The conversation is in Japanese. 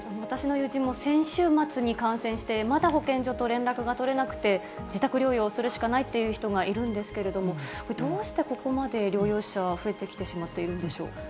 私の友人も、先週末に感染して、まだ保健所と連絡が取れなくて、自宅療養をするしかないという人がいるんですけれども、これ、どうしてここまで療養者が増えてきてしまっているんでしょう？